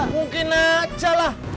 mungkin aja lah